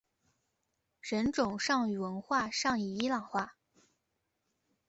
人种上与文化上已伊朗化。